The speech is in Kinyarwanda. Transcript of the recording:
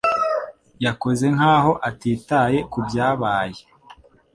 Yakoze nkaho atitaye kubyabaye